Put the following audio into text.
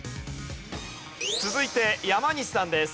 続いて山西さんです。